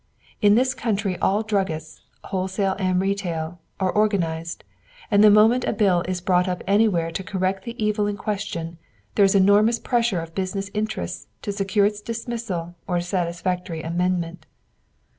In this country all druggists, wholesale and retail, are organized, and the moment a bill is brought up anywhere to correct the evil in question, there is enormous pressure of business interests to secure its dismissal or satisfactory amendment.